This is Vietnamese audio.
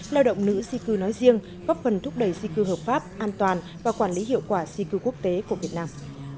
lao động nữ di cư nói riêng góp phần thúc đẩy di cư hợp pháp an toàn và quản lý hiệu quả di cư quốc tế của việt nam